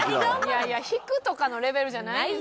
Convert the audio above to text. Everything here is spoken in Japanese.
いやいや引くとかのレベルじゃないんですよ。